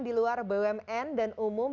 di luar bumn dan uu bpn